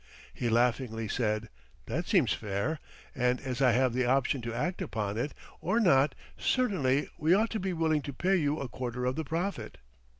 He laughingly said: "That seems fair, and as I have the option to act upon it, or not, certainly we ought to be willing to pay you a quarter of the profit."